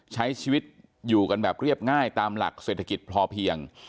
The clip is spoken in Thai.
ใช้ชีวิตอยู่กันแบบเรียบง่ายตามหลักเศรษฐกิจพอเพียง